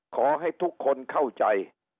ขอให้ทุกคนเข้าใจ